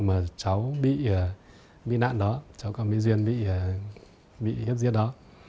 mà cháu bị nạn đó cháu cao mỹ duyên bị hiếp giết đó